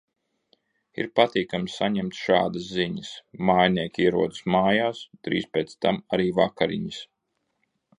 Ir patīkami saņemt šādas ziņas. Mājinieki ierodas mājās, drīz pēc tam arī vakariņas.